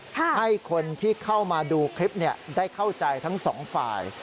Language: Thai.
ให้คนที่เข้ามาดูคลิปได้เข้าใจทั้งสองฝ่าย